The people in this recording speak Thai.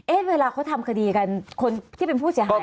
เวลาเขาทำคดีกันคนที่เป็นผู้เสียหาย